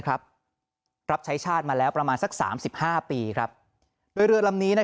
ครับรับใช้ชาติมาแล้วประมาณสัก๓๕ปีครับเรือลำนี้นะ